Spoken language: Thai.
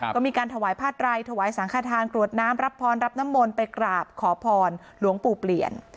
ก็มีการถวายผ้าไตรถวายสังขทานกรวดน้ำรับพรรับน้ำมนต์ไปกราบขอพรหลวงปู่เปลี่ยน